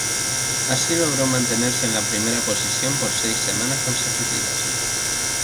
Así logró mantenerse en la primera posición por seis semanas consecutivas.